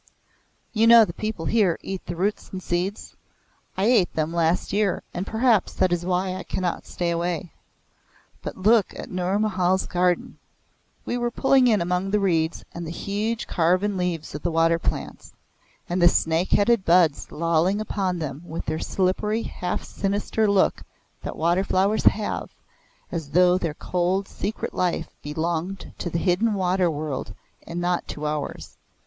You know the people here eat the roots and seeds? I ate them last year and perhaps that is why I cannot stay away. But look at Nour Mahal's garden!" We were pulling in among the reeds and the huge carven leaves of the water plants, and the snake headed buds lolling upon them with the slippery half sinister look that water flowers have, as though their cold secret life belonged to the hidden water world and not to ours.